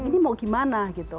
ini mau gimana gitu